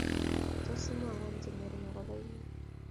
Tos, imwowo chengering agoba inye?